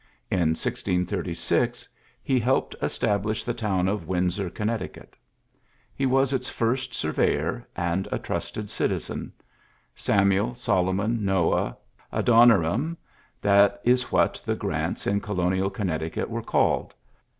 In 1636 he helped establish I town of Windsor, Connecticut. He its first surveyor and a trusted en. Samuel, Solomon, Foah, Adon QL, that is what the Grants in colonial Innecticut were called.